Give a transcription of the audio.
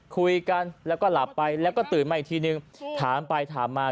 คุยกันแล้วก็หลับไปแล้วก็ตื่นมาอีกทีนึงถามไปถามมา